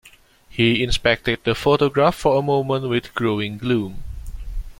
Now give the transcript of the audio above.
He inspected the photograph for a moment with growing gloom.